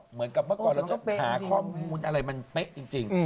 เหมือนกับเมื่อก่อนเราจะหาข้อมูลอะไรมันเป๊ะจริง